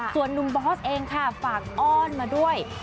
ส่วนนุ่มบอสเองค่ะฝากอ้อนมาด้วย